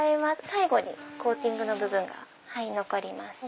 最後にコーティングの部分が残ります。